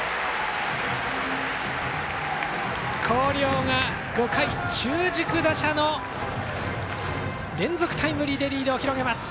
広陵が５回中軸打者の連続タイムリーでリードを広げます。